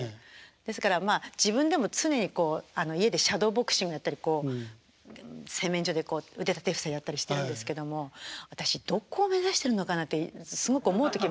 ですからまあ自分でも常に家でシャドーボクシングやったりこう洗面所で腕立て伏せやったりしてるんですけども私どこを目指してるのかなってすごく思う時もあるんですが。